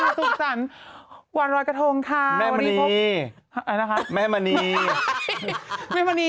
คือผมดูมันก็ไม่เหมือนล่างนกมาก